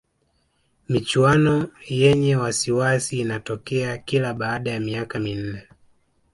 michuano yenye wasiwasi inatokea kila baada ya miaka minne